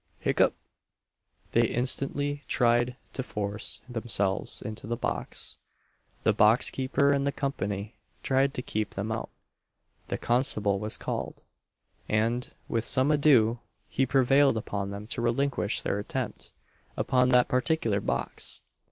Hiccup." They instantly tried to force themselves into the box; the box keeper and the company tried to keep them out; the constable was called; and, with some ado, he prevailed upon them to relinquish their attempt upon that particular box.